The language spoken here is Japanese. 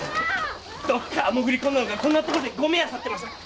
どっから潜り込んだのかこんなところでゴミあさってました。